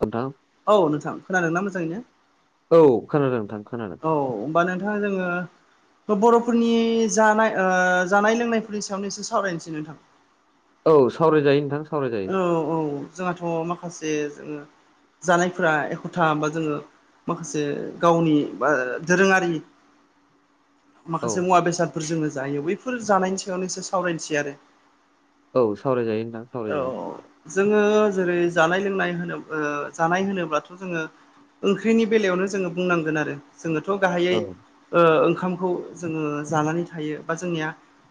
नोंथां औ नोंथां खोनादों ना मोजाङैनो? औ खोनादों नोंथां खोनादों। औ होनबा नोंथाङा जोङो बर'फोरनि जानाय ओ जानाय लोंनायफोरनि सायावनो एसे सावरायनोसै नोंथां। औ सावरायजायो नोंथां। सावरायजायो औ औ जोंहाथ' माखासे जोङो जानायफोरा एखुथा बा जोङो माखासे गावनि बा दोरोङारि औ माखासे मुवा बेसादफोर जोङो जायो बैफोर जानायनि सायावनो एसे सावरायनोसै आरो। औ सावरायजायो नोंथां सावरायजायो। औ जोङो जेरै जानाय-लोंनाय होनो ओ जानाय होनोब्लाथ' जोङो ओंख्रिनि बेलायावनो जोङो बुंनांगोन आरो जोङोथ' गाहायै औ ओ ओंखामखौ जोङो जानानै थायो बा जोंनिया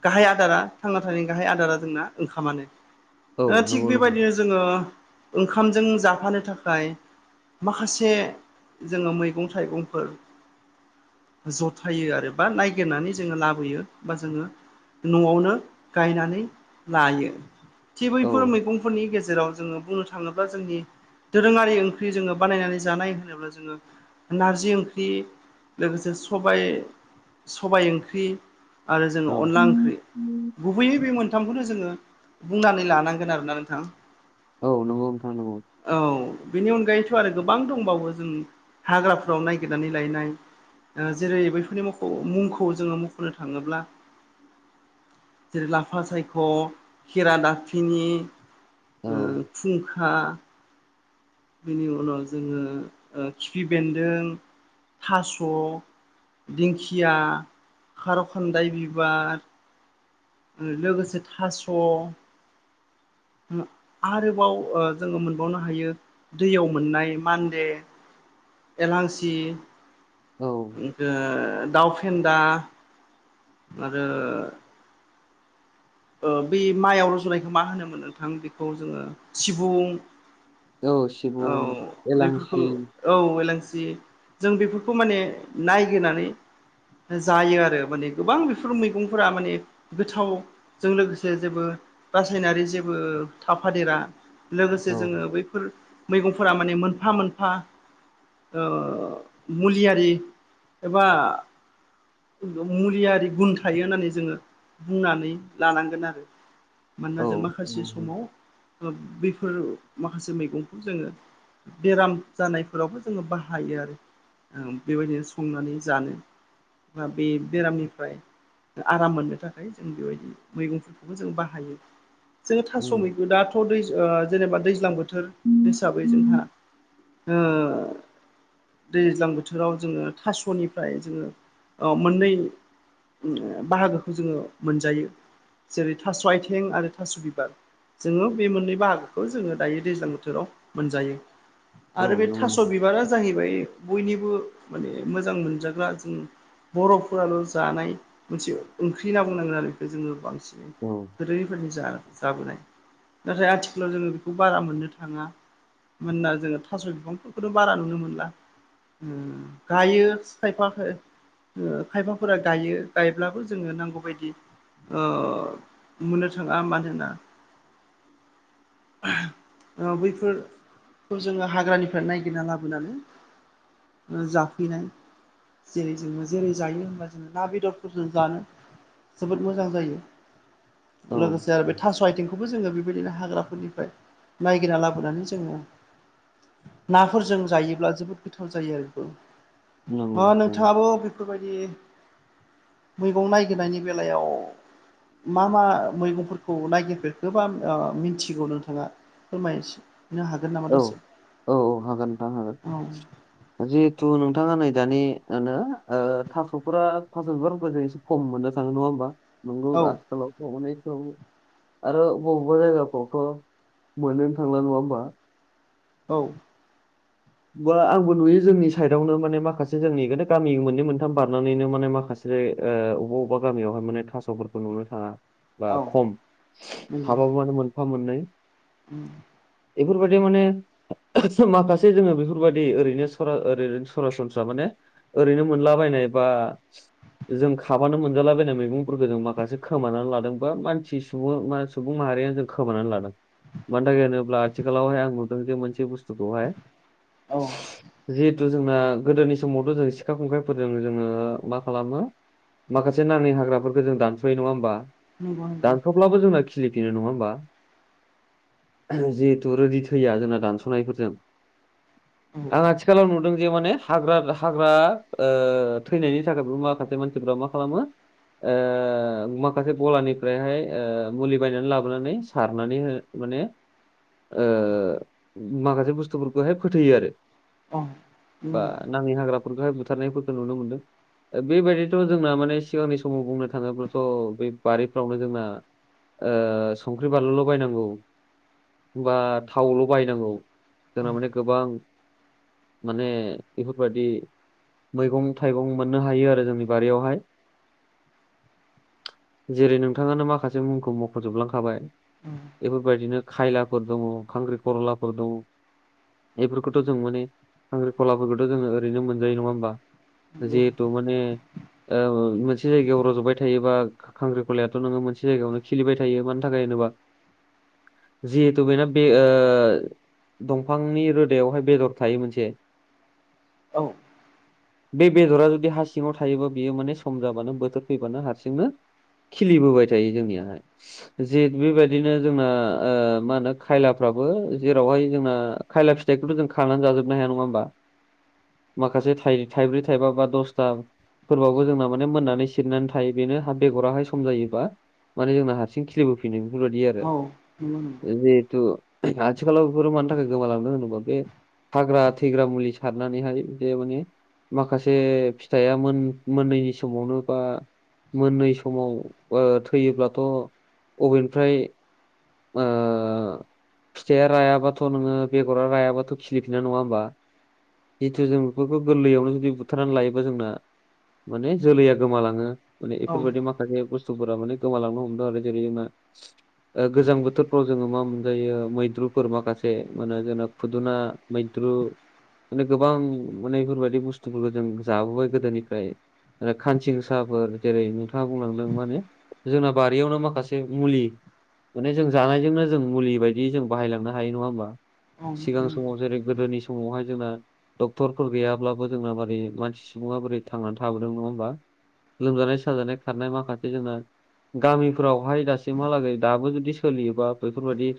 गाहाय आदारा थांना थानायनि गाहाय आदारा जोंना ओंखामानो औ दा थिग नंगौ नंगौ बेबायदिनो जोङो ओंखामजों जाफानो थाखाय माखासे जोङो मैगं थाइगंफोर जथायो आरो बा नायगिरनानै जोङो लाबोयो बा जोङो न'आवनो गायनानै लायो। थि औ बैफोर मैगंफोरनि गेजेराव जोङो बुंनो थाङोब्ला जोंनि दोरोङारि ओंख्रि जोङो बानायनानै जानाय होनोब्ला जोङो नारजि ओंख्रि लोगोसे सबाइ सबाय ओंख्रि आरो जोङो औ अनला ओंख्रि गुबैयै बे मोनथामखौनो जोङो बुंनानै लानांगोन आरोना नोंथां। औ नंगौ नोंथां नंगौ। औ बेनि अनगायैथ' आरो गोबां दंबावो जों हाग्राफोराव नागिरनानै लायनाय ओ जेरै बैफोरनि म मुंखौ जोङो मख'नो थाङोब्ला जेरै लाफा सायख' खेरा दाफिनि औ ओ फुंखा बेनि उनाव जोङो ओ खिफि बेन्दों थास' दिंखिया खार' खान्दाय बिबार लोगोसे थास' आरोबाव ओ जोङो मोनबावनो हायो। दैयाव मोननाय मान्दे एलांसि औ दाउ फेन्दा आरो ओ बे माइआव रज'नायखौ मा होनोमोन नोंथां बेखौ जोङो सिबुं औ औ सिबुं बेफोरखौ एलांसि औ एलांसि जों बेफोरखौ माने नायगिरनानै जायो आरो माने गोबां बेफोर मैगंफोरा माने गोथावजों लोगोसे जेबो रासायनारि जेबो थाफादेरा। औ लोगोसे जोङो बैफोर मैगंफोरा माने मोनफा-मोनफा ओ मुलियारि एबा मुलियारि गुन थायो होननानै जोङो बुंनानै लानांगोन आरो मानोना औ जों माखासे समाव बेफोर माखासे मैगंखौ जोङो बेराम जानायफोरावबो जोङो बाहायो आरो ओ बेबायदिनो संनानै जानो बे बेरामनिफ्राय आराम मोननो थाखाय जों बेबायदि मैगंफोरखौबो जों बाहायो जोङो थास' उम मैगं दा फाथौ दै ओ जेनेबा दैज्लां बोथोर हिसाबै जोंहा दैज्लां बोथोराव जोङो थास'निफ्राय जोङो ओ मोननै बाहागोखौ जोङो मोनजायो जेरै थास' आथिं आरो थास' बिबार जोङो बे मोननै बाहागोखौ जोङो दायो दैज्लां बोथोराव मोनजायो औ आरो बे नंगौ थास' बिबारा जाहैबाय बयनिबो माने मोजां मोनजाग्रा जों बर'फोराल' जानाय मोनसे ओंख्रि होनना बुंनांगोन आरो बेखौ जोङो बांसिन औ [inaudible] जाबोनाय नाथाय आथिखालाव जोङो बेखौ बारा मोननो थाङा। मानोना जोङो थास' बिफांफोरखौथ' बारा नुनो मोनला। ओ गायो थायफाखो खायफाफोरा गायो गायब्लाबो जोङो नांगौ बायदि ओ मोननो थाङा मानोना ओ बैफोर जोङो हाग्रानिफ्राय नायगिरना लाबोनानै जाफैनाय। जेरै जोङो जेरै जायो होनबा जोङो ना बेदरफोर जों जानो जोबोद मोजां औ जायो लोगोसे आरो बे थास' आइथिंखौबो जोङो बेबायदिनो हाग्राफोरनिफ्राय नायगिरना लाबोनानै जोङो नाफोरजों जायोब्ला जोबोद गोथाव जायो आरो बेबो नंगौ औ नोंथाङाबो बेफोरबायदि मैगं नायगिरनायनि बेलायाव मा मा मैगंफोरखौ नायागिरफेरखोबा मिथिगौ नोंथाङा फोरमायनोसै [unintelligible] औ औ औ हागोन नोंथां हागोन जिहेथु नोंथाङा नै दानि थास'फोरा थास' बिबारफोरखौ खम मोननो थाङो नङा होमबा नोंगौ औ आथिखालावथ' अनेगावनो आरो बबेबा जायगाफ्रावथ' मोनोनो थांला नङा होमबा औ बा आंबो नुयो जोंनि साइडआवनो माने माखासे जोंनिनो गामि मोननै मोनथाम बारनानैनो माने माखासे जेरै बबेबा अबेबा गामियावहाय माने थास'फोरखौ नुनो थाङा बा औ खम हाबाबो माने मोनफा मोननै उ बेफोरबायदि माने माखासे जोङो बेफोरबायदि ओरैनो ओरैनो सरासनस्रा माने ओरैनो मोनलाबायनाय बा जों खाबानो मोनजालाायबायनाय मैगंफोरखौ जों माखासे खोमानानै लादों बा मानसि सुबुं मा सुबुं माहारियानो जों खोमानानै लादों मानो थाखाय होनोब्ला आथिखालावहाय आं नुदों जे मोनसे बुस्थुखौहाय औ जित जोंना गोदोनि समावथ' जों सिखा खंखाइफोरजों जोङो मा खालामो माखासे नाङै हाग्राफोरखौ जों दानस'यो नङा होमबा। [unintelligible] अब्लाबो जोंना खिलिफिनो नङा होमबा। जिहेथु रेदि थैया जोंना दानस'नायफोरजों आ आथिखालाव नुदों जे माने हाग्रा हाग्रा थैनायनि थाखाय माखासे मानसिफ्रा मा खालामो ओ माखासे गलानिफ्रायहाय मुलि बायनानै लाबोनानै सारनानै हो माने माखासे बुस्थुफोरखौहाय फोथैयो आरो बा [inaudible] नाङै हाग्राफोरखौहाय बुथारनायफोरखौ नुनो मोन्दों बेबायदिथ' जोंना माने सिगांनि समाव बुंनो थाङोब्लाथ' बे बारिफ्रावनो जोंना ओ संख्रि बानलुल' बायनांगौ बा थावल' बायनांगौ जोंना माने गोबां माने बेफोरबायदि मैगं थाइगं मोननो हायो आरो जोंनि बारियावहाय जेरै नोंथाङानो माखासे मुंखौ मख'जोबलांखाबाय बेफोरबायदिनो खायलाफोर दङ खांख्रि खरलाफोर दङ बेफोरखौथ' जों माने खांख्रिखलाफोरखौथ' जोङो ओरैनो मोनजायो नङा होमबा। औ जिहेथु माने मोनसे जायगायाव रज'बाय थायोबा खांख्रिखलायाथ' नोङो मोनसे जायगायावनो खिलिबाय थायो मानि थाखाय होनोबा। जिहेथु बेना बे ओ दंफांनि रोदायावहाय बेदर थायो मोनसे औ। बे बेदरा जुदि हारसिङाव थायोबा बियो माने सम जाबानो बोथोर फैबानो हारसिंनो खिलिबोबाय थायो जोंनियाहाय जे बेबायदिनो जोंना ओ मा होनो खायलाफ्राबो जेरावहाय जोंयो खायला फिथखौथ' जों खानानै जाजोबनो हाया नङा होनोमबा। माखासे थाइब्रै थाइबा बा दसथा फोरबावबो जोंना माने मोननानै सिरिनानै थायो बेनो बेगराहाय सम जायोबा माने जोंना ह हारसिं खिलिबोफिनो बेफोरबायदि आरो नंगौ नंगौ जिहेथु आथिखालाव बेफोरो मानि थाखाय गोमालांदों होनोबा बे हाग्रा थैग्रा मुलि सारनानैहाय बे माने माखासे फिथाइया मोन मोनैनि समावनो बा मोननै समाव थैयोब्लाथ' अबेनफ्राय आ फिथाइया रायाबाथ' नोङो बेगरा रायाबाथ' खिलिफिनना नङा होनोमबा जिहेतु जों बेफोरखौ गोरलैयावनो जुदि बुथारनानै लायोबा जोंना माने जोलैया गोमालाङो माने औ बेफोरबायदि माखासे बुस्थुफोरा माने गोमालांनो हमदों आरो जेरै जोंना ओ, गोजां बोथोरफ्राव जोङो मा मोनजायो मैद्रुफोर माखासे मो जोंना फुदुना मैद्रु माने गोबां माने बेफोरबायदि बुस्थुफोरखौ जों जाबोबाय गोदोनिफ्राय आरो खानसिं साहाफोर जेरै नोंथाङा बुंलांदों माने जोंना बारियावनो माखासे मुलि माने जों जानायजोंनो जों मुलि बायदि जों बाहायलांनो हायो नङा होमबा। औ सिगां नंगौ समाव जेरै गोदोनि समावहाय जोंना डक्टरफोर गैयाब्लाबो जोंना मारै मानसि सुबुङा बोरै थांनानै थाबोदों नङा होमबा लोमजानाय साजानाय खारनाय माखासे जोंना गामिफोरावहाय दासिमहालागै दाबो जुदि सोलियोबा बेफोरबायदि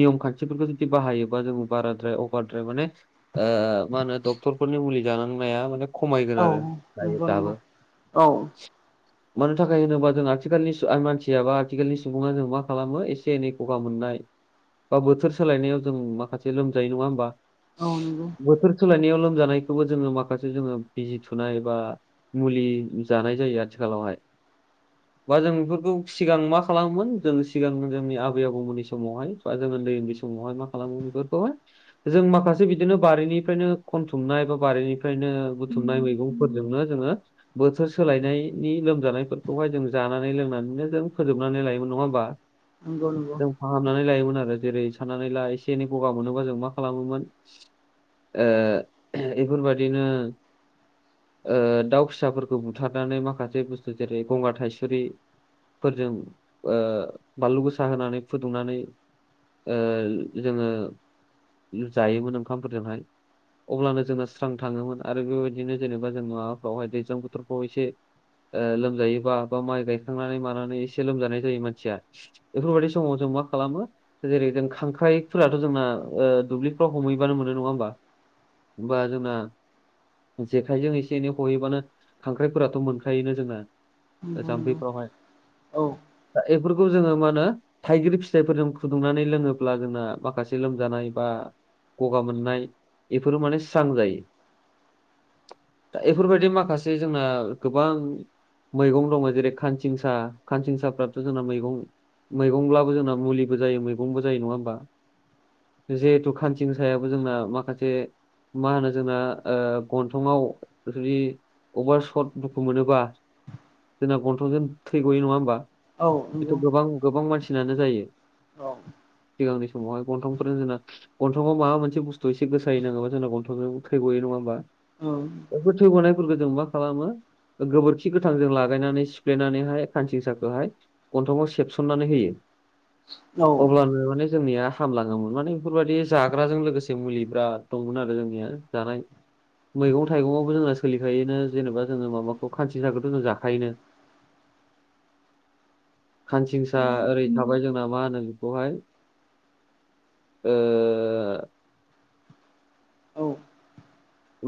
नियम खान्थिफोरखौ जुदि बाहायोबा जों बाराद्राय अभारद्राय माने ओ मा होनो डक्टरफोरनि मुलि जानांनाया माने खमायगोन आरो जायो नंगौ दाबो औ नंगौ औ मानि थाखाय होनोबा जों आथिखालनि मानसिय बा आथिखालनि सुबुङा जेनबा खालामो एसे एनै गगा मोननाय बा बोथोर सोलायनायाव जों माखासे लोमजायो नङा होमबा औ नंगौ बोथोर सोलायनायाव लोमजानायखौबो जोङो माखासे जोङो बिजि थुनाय बा मुलि जानाय जायो आथिखालावहाय। बा जों बेफोरखौ सिगां मा खालामोमोन जों सिगां जोंनि आबै आबौमोननि समावहाय बा जों उन्दै उन्दै समावहाय मा खालामो बेफोरखौहाय जों माखासे बिदिनो बारिनिफ्रायनो खनथुमनाय बा बारिनिफ्रायनो बुथुमनाय मैगं फोरजोंनो जोङो बोथोर सोलायनायनि लोमजानायफोरखौहाय जों जानानै लोंनानैनो जों फोजोबनानै लायोमोन नङा होमबा? नंगौ-नंगौ। जों फाहामनानै लायोमोन आरो जेरै साननानै ला एसे एनै गगा मोनोबा जों मा खालामोमोन? ओ बेफोरबायादिनो ओ दाउ फिसाफोरखौ बुथारनानै माखासे बुस्थु जेरै गंगार थायसुरि फोरजों ओ बानलु गोसा होनानै फुदुंनानै ओ जोङो जायोमोन ओंखामफोरजोंहाय। अब्लानो जोंना स्रां थाङोमोन आरो बेबायदिनो जेनेबा जों माबाफ्रावहाय दैज्लां बोथोरफ्राव एसे लोमजायोबा बा माइ गायखांनानै मानानै एसे लोमजानाय जायो मानसिया बेफोरबायदि समाव जों मा खालामो जेरै जों खांख्राइ फोराथ' जोंना दुब्लिफ्राव हमहैबानो मोनो नङा होमबा? होमबा जोंना जेखाइजों एसे एनै हहैब्लानो खांख्राइफोराथ' मोनखायोना जोंना नंगौ नंगौ औ जाम्फैफोरावहाय एफोरखौ जोङो मा होनो थाइगिर फिथाइफोरजों फुदुंनानै लोङोब्ला जोंना माखासे लोमजानाय बा गगा मोननाय बेफोरो माने स्रां जायो। दा एफोरबायदि माखासे जोंना गोबां मैगं दङ जेरै खानसिंसा खानसिंसाफ्राथ' जोंना मैं गं मैगंब्लाबो जोंना मुलिबो जायो मैगंबो जायो नङा होमबा जिहेथु खानसिं सायाबो जोंना माखासे मा होनो जोंना ओ गन्थंआव जुदि अबा सर्ट दुखु मोनोबा जोंना गन्थंजों थै गयो नङा होमबा? औ नंगौ औ बेथ' गोबां गोबां मानसिनानो जायो। औ सिगांनि समावहाय गनथं फोरजों जोंना गन्थंआव माबा मोनसे बुस्थु एसे गोसायै नाङोबा जोंना गन्थंजों थै ग'यो नङा होमबा? औ बे थै गनायफोरखौ जों मा खालामो गोबोरखि गोथांजों लागायनानै सिफ्लेनानैहाय खानसिंसाखौहाय गन्थंआव सेबसननानै होयो अब्लानो माने जोंनिया हामलाङोमोन माने बेफोरबायदि जाग्राजों लोगोसे मुलि बिराद दंमोन आरो जोंनिया जानाय मैगं थाइगंआवबो जोंना सोलिखायोनो जेनेबा जोङो माबाखौ खान्सि साखौथ' जों जाखायोनो। खानसिंसा ओरै थाबाय जोंना मा होनो बेखौहाय? ओ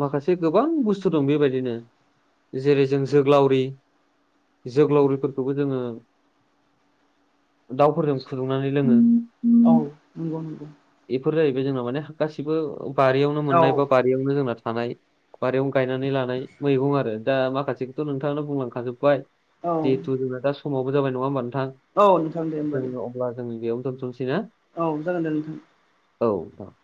माखासे गोबां बुस्थु दं बेबायदिनो जेरै जों जोग्लावरि जोग्लावरिफोरखौबो जोङो दाउफोरजों फुदुंनानै लोङो। औ नंगौ नंगौ। बेफोर जाहैबाय जोंना माने गासिबो बारियावनो औ मोननाय बा बारियावनो जोंना थानाय बारियावनो गायनानै लानाय मैगं आरो दा माखासेखौथ' नोंथाङा बुंलांखाजोबबाय। औ जिहेथु जोंना दा समावबो जाबाय नङा होमबा नोंथां औ नोंथां दे होमबा दे जों अब्ला जों बेयावनो दोनथ'नोसैना? औ जागोन दे नोंथां। औ जागोन।